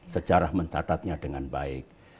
sejarah mencatatnya dengan baik